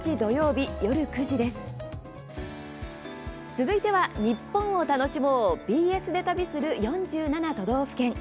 続いては「ニッポンをたのしもう！ＢＳで旅する４７都道府県」。